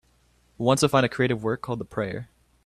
Want to find a creative work called The Prayer